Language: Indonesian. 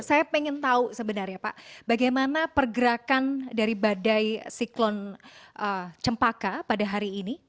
saya ingin tahu sebenarnya pak bagaimana pergerakan dari badai siklon cempaka pada hari ini